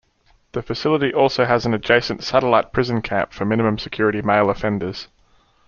The facility also has an adjacent satellite prison camp for minimum-security male offenders.